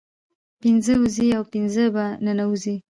پنځه ووزي او پنځه په ننوزي